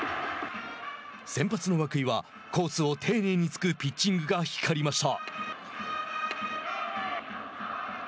先発の涌井はコースを丁寧に突くピッチングが光りました。